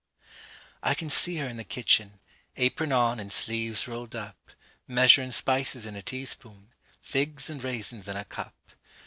I can see her in the kitchen, Apron on and sleeves rolled up, Measurin' spices in a teaspoon, Figs and raisins in a cup.